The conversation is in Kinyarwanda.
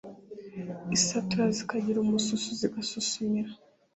Isatura zikagira umususu zigasusumira.